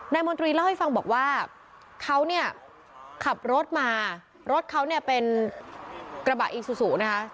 มนตรีเล่าให้ฟังบอกว่าเขาเนี่ยขับรถมารถเขาเนี่ยเป็นกระบะอีซูซูนะคะ